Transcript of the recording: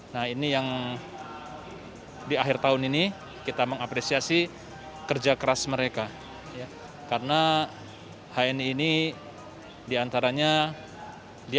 nah ini yang di akhir tahun ini kita mengapresiasi kerja keras mereka karena hni ini diantaranya di